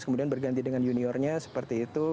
kemudian berganti dengan juniornya seperti itu